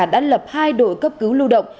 đã lập hai đội cấp cứu lưu động